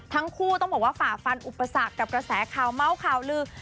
ทั้งคู่ต้องบอกว่าฝ่าฟันอุปสรรคกับกระแสข่าวเมาส์ข่าวลือ